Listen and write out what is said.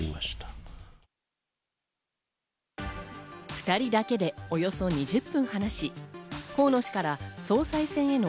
２人だけでおよそ２０分話し、河野氏から総裁選への